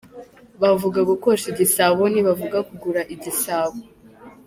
Bavuga gukosha igisabo, ntibavuga kugura igisabo.